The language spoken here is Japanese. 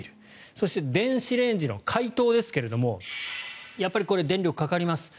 そして、電子レンジの解凍ですがやっぱり電力がかかります。